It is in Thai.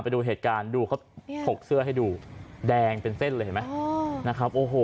ไปดูเหตุการณ์ดูเขาเนี่ยผกเสื้อให้ดูแดงเป็นเส้นเลยเห็นไหมอ๋อ